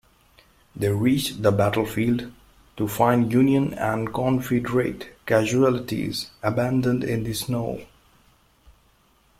They reached the battlefield to find Union and Confederate casualties abandoned in the snow.